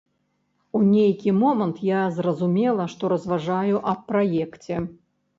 У нейкі момант я зразумела, што разважаю аб праекце.